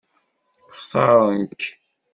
Xtaṛen-k?